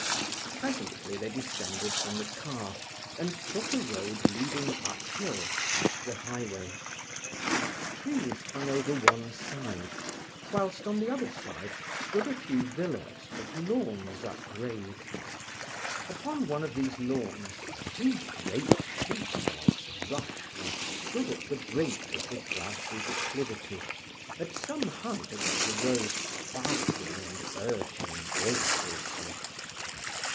Presently they descended from the car, and took a road leading uphill off the highway. Trees hung over one side, whilst on the other side stood a few villas with lawns upraised. Upon one of these lawns two great sheep dogs rushed and stood at the brink of the, grassy declivity, at some height above the road, barking and urging boisterously.